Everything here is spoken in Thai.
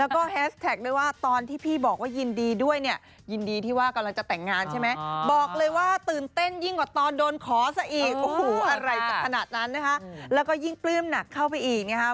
ขนาดนั้นนะคะแล้วก็ยิ่งปลื้มหนักเข้าไปอีกนะคะ